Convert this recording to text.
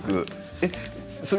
えっそれ